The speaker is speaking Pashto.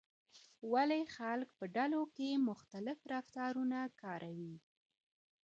ولې خلک په ډلو کې مختلف رفتارونه کوي؟